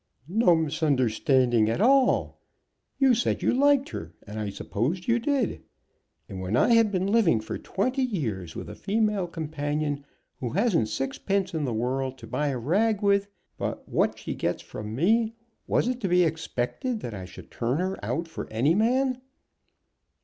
No misunderstanding at all. You said you liked her, and I supposed you did. And when I had been living for twenty years with a female companion, who hasn't sixpence in the world to buy a rag with but what she gets from me, was it to be expected that I should turn her out for any man?"